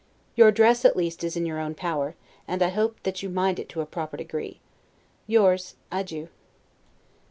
Your dress, at least, is in your own power, and I hope that you mind it to a proper degree. Yours, Adieu.